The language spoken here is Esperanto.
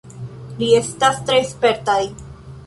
Ili estas tre spertaj.